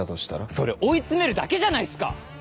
それ追い詰めるだけじゃないっすか！